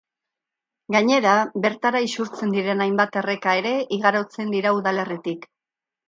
Gainera, bertara isurtzen diren hainbat erreka ere igarotzen dira udalerritik.